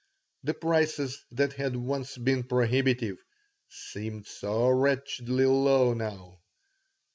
The prices that had once been prohibitive seemed so wretchedly low now.